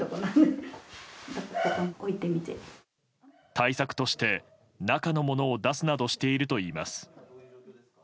対策として、中のものを出すなどしているといいます。